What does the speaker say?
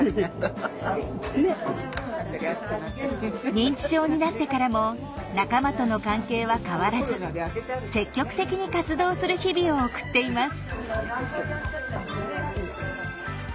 認知症になってからも仲間との関係は変わらず積極的に活動する日々を送っています。